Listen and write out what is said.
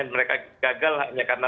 mereka gagal hanya karena